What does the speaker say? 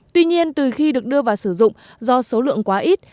tuy nhiên từ khi được đưa vào sử dụng do số lượng quá ít